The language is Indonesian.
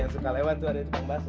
yang suka lewat tuh ada jempol baso